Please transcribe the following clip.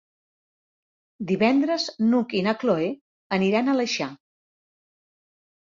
Divendres n'Hug i na Cloè aniran a l'Aleixar.